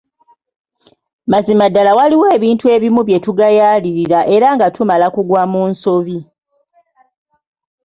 Mazima ddala waliwo ebintu ebimu bye tugayaalirira era nga tumala kugwa mu nsobi.